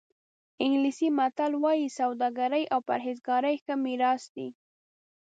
انګلیسي متل وایي سوداګري او پرهېزګاري ښه میراث دی.